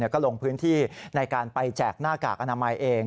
ก็ลงพื้นที่ในการไปแจกหน้ากากอนามัยเอง